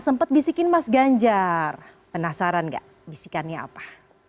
sempat bisikin mas ganjar penasaran gak bisikannya apa